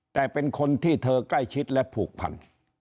แต่เป็นคนที่เธอใกล้ชิดและผูกพัน